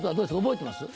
覚えてます？